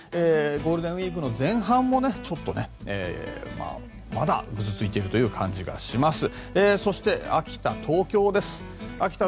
ゴールデンウィークの前半もちょっとちょっとまだぐずついているという感じがします。